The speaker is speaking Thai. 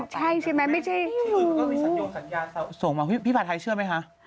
มันใช่ใช่ไหมไม่ใช่ที่อื่นก็มีสัญญาส่งมาพี่ภาษาไทยเชื่อไหมคะ